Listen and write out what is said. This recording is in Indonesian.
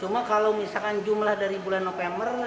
cuma kalau misalkan jumlah dari bulan november